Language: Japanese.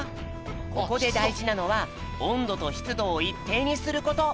ここでだいじなのはおんどとしつどをいっていにすること！